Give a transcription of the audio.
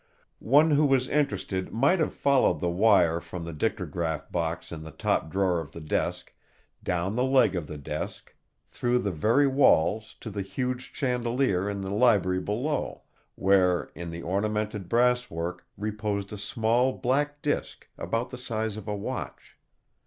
One who was interested might have followed the wire from the dictagraph box in the top drawer of the desk down the leg of the desk, through the very walls to the huge chandelier in the library below, where, in the ornamented brass work, reposed a small black disk about the size of a watch.